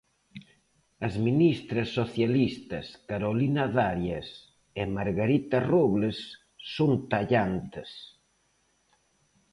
As ministras socialistas Carolina Darias e Margarita Robles son tallantes.